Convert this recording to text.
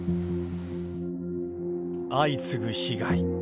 相次ぐ被害。